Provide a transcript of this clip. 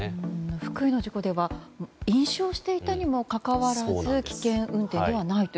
福井の事故では飲酒をしていたにもかかわらず危険運転ではないと。